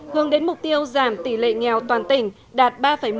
hướng đến mục tiêu giảm tỷ lệ nghèo toàn tỉnh đạt ba một